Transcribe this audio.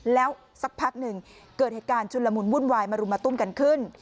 แล้วสักพักหนึ่งเกิดเหตุการณ์ชุนละมุนวุ่นวายมารุมมาตุ้มกันขึ้น